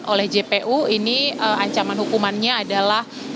oleh jpu ini ancaman hukumannya adalah